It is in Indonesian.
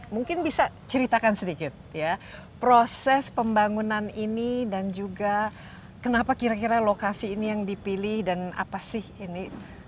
mungkin bisa ceritakan sedikit ya proses pembangunan ini dan juga kenapa kira kira lokasi ini yang dipilih dan apa sih ini